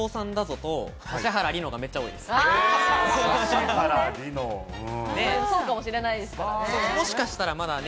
と、指原莉乃そうかもしれないですからね。